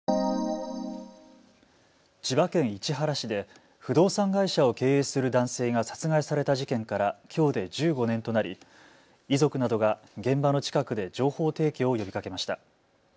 千葉県市原市で不動産会社を経営する男性が殺害された事件からきょうで１５年となり遺族などが現場の近くで情報提供を呼びかけました。